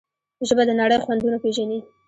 ژبه د نړۍ خوندونه پېژني.